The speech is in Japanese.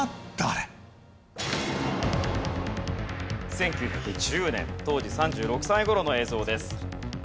１９１０年当時３６歳頃の映像です。